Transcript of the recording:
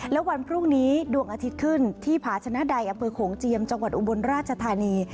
และวันพรุ่งนี้ดวงอาทิตย์ขึ้นที่ผาชนะใดอำเภอโขงเจียมจังหวัดอุบลราชธานี